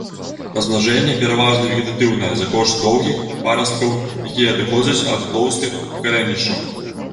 Размнажэнне пераважна вегетатыўнае за кошт доўгіх парасткаў, якія адыходзяць ад тоўстых карэнішчаў.